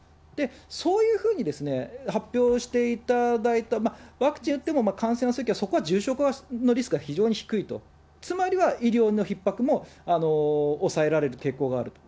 そういうふうに発表していただいて、ワクチン打っても感染はするけどそこは重症化のリスクは非常に低いと、つまりは医療のひっ迫も抑えられる傾向があると。